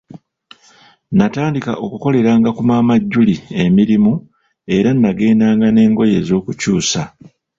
Natandika okukoleranga ku Maama Julie emirimu era nagendanga n'engoye ez'okukyusa.